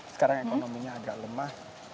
sekarang ekonominya agak lemah